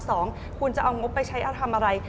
สองคุณจะเอางบไปใช้อาร์ธรรมอะไร